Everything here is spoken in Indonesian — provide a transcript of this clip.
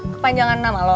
kepanjangan nama lo